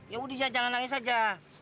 yaudah jangan nangis aja